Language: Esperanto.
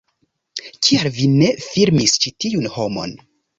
Kial vi ne filmis ĉi tiun homon?